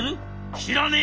「知らねえ。